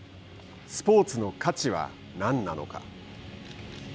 スポーツの価値は何なのか。